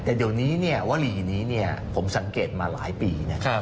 แต่เดี๋ยวนี้วลีนี้ผมสังเกตมาหลายปี